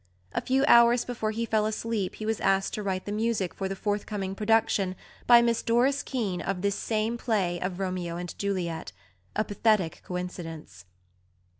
A few hours before he fell asleep he was asked to write the music for the forthcoming production by Miss Doris Keane of this same play of Romeo and Juliet a pathetic coincidence!